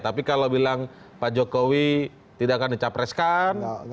tapi kalau bilang pak jokowi tidak akan dicapreskan